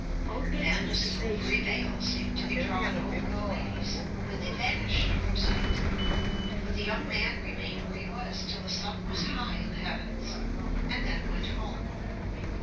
Then a silvery veil seemed to be drawn over the ladies, and they vanished from sight. But the young man remained where he was till the sun was high in the heavens, and then went home.